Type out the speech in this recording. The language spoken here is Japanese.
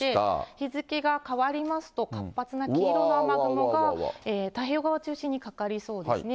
日付が変わりますと、活発な黄色の雨雲が太平洋側を中心にかかりそうですね。